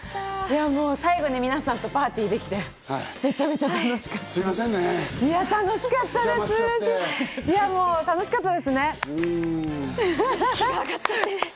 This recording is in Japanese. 最後に皆さんとパーティーできて、めちゃめちゃ楽しかった。